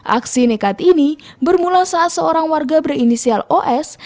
aksi nekat ini bermula saat seorang warga berinisial os